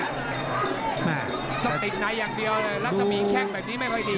ต้องติดไหนอย่างเดียวแล้วสมีแค่งแบบนี้ไม่ค่อยดี